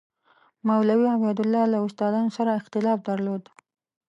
مولوي عبیدالله له استادانو سره اختلاف درلود.